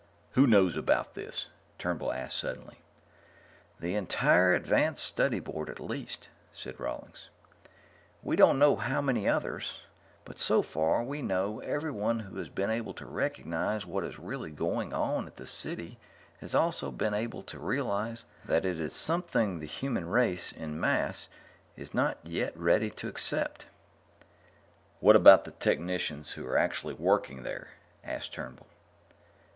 "Who knows about this?" Turnbull asked suddenly. "The entire Advanced Study Board at least," said Rawlings. "We don't know how many others. But so far as we know everyone who has been able to recognize what is really going on at the City has also been able to realize that it is something that the human race en masse is not yet ready to accept." "What about the technicians who are actually working there?" asked Turnbull.